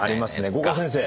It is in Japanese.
五箇先生。